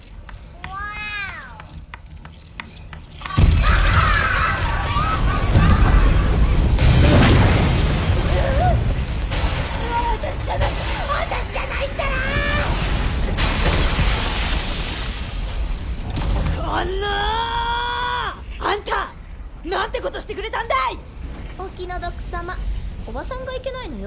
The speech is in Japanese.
おばさんがいけないのよ。